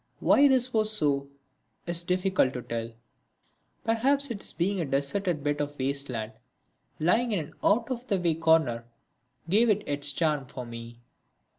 Why this was so, is difficult to tell. Perhaps its being a deserted bit of waste land lying in an out of the way corner gave it its charm for me.